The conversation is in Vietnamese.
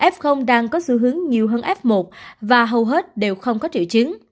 f đang có xu hướng nhiều hơn f một và hầu hết đều không có triệu chứng